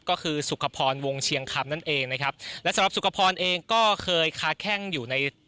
ก็คือสุขพรวงเชียงคำนั่นเองนะครับและสำหรับสุขพรเองก็เคยค้าแข้งอยู่ใน